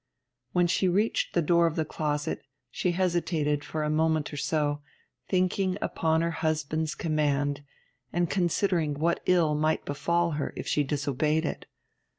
When she reached the door of the closet she hesitated for a moment or so, thinking upon her husband's command, and considering what ill might befall her if she disobeyed it.